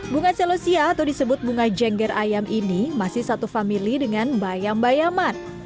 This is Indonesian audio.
bunga celosia atau disebut bunga jengger ayam ini masih satu famili dengan bayam bayaman